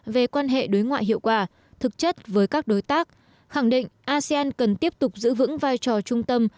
về quan hệ đối ngoại hiệu quả thực chất với các đối tác khẳng định asean cần tiếp tục giữ vững vai trò trung tâm